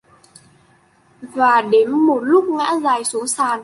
Và đến một lúc ngã dài xuống sàn